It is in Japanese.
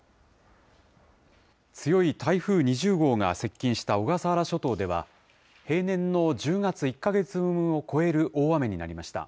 強い台風２０号が接近した小笠原諸島では、平年の１０月１か月分を超える大雨になりました。